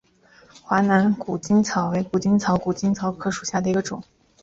华南谷精草为谷精草科谷精草属下的一个种。